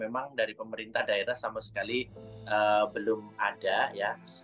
dukungan dari pemerintah daerah sama sekali belum ada